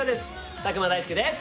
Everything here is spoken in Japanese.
佐久間大介です